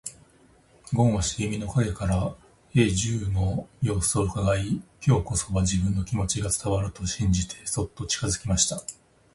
ごんは茂みの影から兵十の様子をうかがい、今日こそは自分の気持ちが伝わると信じてそっと近づきました。